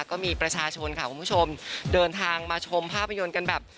ก็มีประชาชนค่ะคุณผู้ชมเดินทางมาชมภาพยนตร์กันแบบ